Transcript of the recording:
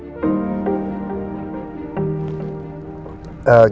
aku mau ke rumah